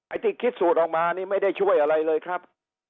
ที่คิดสูตรออกมานี่ไม่ได้ช่วยอะไรเลยครับ